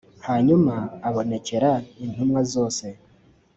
hanyuma abonekera intumwa zose